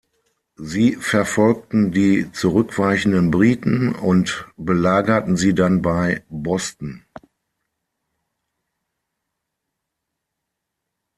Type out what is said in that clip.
Sie verfolgten die zurückweichenden Briten und belagerten sie dann bei Boston.